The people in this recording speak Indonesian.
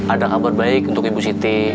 ada kabar baik untuk ibu siti